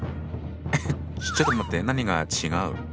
えっちょっと待って何か違う！